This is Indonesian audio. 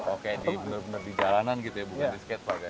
oke benar benar di jalanan gitu ya bukan di skatepark ya